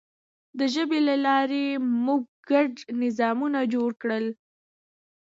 د ژبې له لارې موږ ګډ نظامونه جوړ کړل.